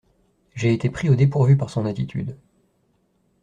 J'ai été pris au dépourvu par son attitude.